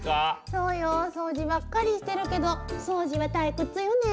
そうよ掃除ばっかりしてるけど掃除は退屈よね。